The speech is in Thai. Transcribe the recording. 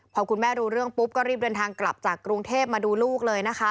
พอคุณแม่รู้เรื่องปุ๊บก็รีบเดินทางกลับจากกรุงเทพมาดูลูกเลยนะคะ